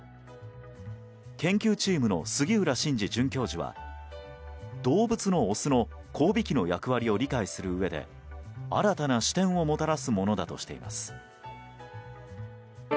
研究チームの杉浦真治准教授は動物のオスの交尾器の役割を理解するうえで新たな視点をもたらすものだとしています。